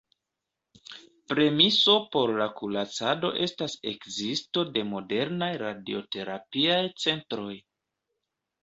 Premiso por la kuracado estas ekzisto de modernaj radioterapiaj centroj.